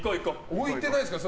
置いてないですから。